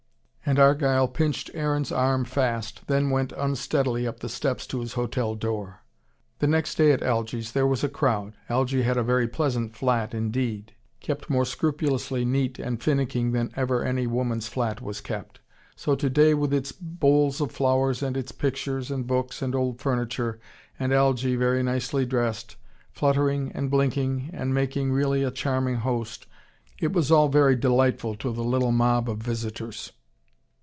And Argyle pinched Aaron's arm fast, then went unsteadily up the steps to his hotel door. The next day at Algy's there was a crowd Algy had a very pleasant flat indeed, kept more scrupulously neat and finicking than ever any woman's flat was kept. So today, with its bowls of flowers and its pictures and books and old furniture, and Algy, very nicely dressed, fluttering and blinking and making really a charming host, it was all very delightful to the little mob of visitors.